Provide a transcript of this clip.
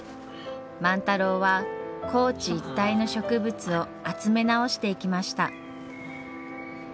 万太郎は高知一帯の植物を集め直していきました。